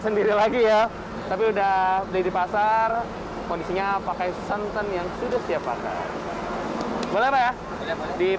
semester lagi ya tapi udah tidipasar kondisinya pakai santan yang sudah siap matthew boleh deaf